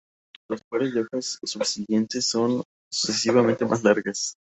Los pares de hojas subsiguientes son sucesivamente más largas.